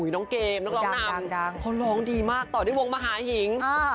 อุ้ยน้องเกมน้องร้องดังร้องดีมากต่อที่วงมหาหิงอ่า